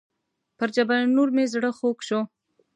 پر جبل النور مې زړه خوږ شو.